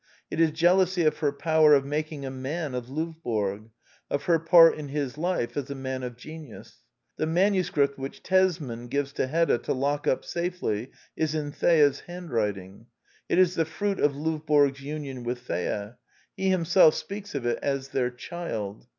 It is jealousy of her power of making a man of Lovborg, of her part in his life as a man of genius. The manuscript which Tesman gives to Hedda to lock up safely is in Thea's hand writing. It is the friiit of Lovborg's union with Thea : he himself speaks of it as " their child."